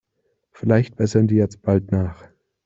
Vielleicht bessern die jetzt bald nach.